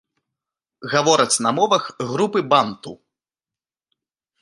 Гавораць на мовах групы банту.